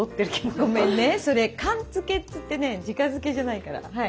ごめんねそれ鐶付けって言ってねじかづけじゃないからはい。